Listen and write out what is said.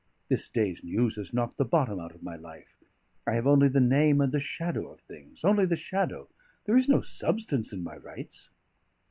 This day's news has knocked the bottom out of my life. I have only the name and the shadow of things only the shadow; there is no substance in my rights."